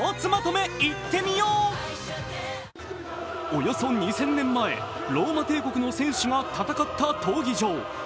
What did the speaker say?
およそ２０００年前、ローマ帝国の選手が戦った闘技場。